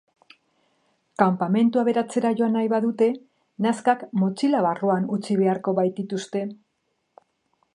Kanpamentu aberatsera joan nahi badute, nazkak motxila barruan utzi beharko baitituzte.